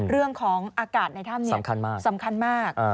เรื่องของอากาศในถ้ำนี้สำคัญมาก